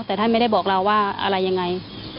แต่ท่านไม่ได้บอกเราว่าอะไรยังไง